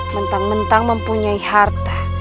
mentang mentang mempunyai harta